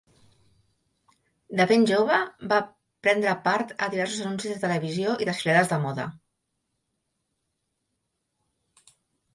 De ben jove, va prendre part a diversos anuncis de televisió i desfilades de moda.